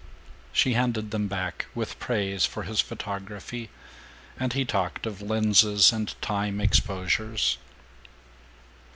She handed them back, with praise for his photography, and he talked of lenses and time exposures.